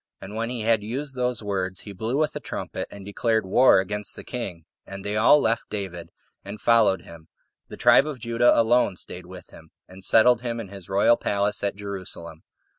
And when he had used those words, he blew with a trumpet, and declared war against the king; and they all left David, and followed him; the tribe of Judah alone staid with him, and settled him in his royal palace at Jerusalem.